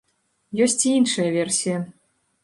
Ёсць і іншая версія.